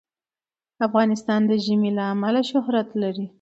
افغانستان د ژمی له امله شهرت لري.